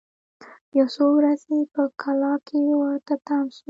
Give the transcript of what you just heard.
یو څو ورځي په کلا کي ورته تم سو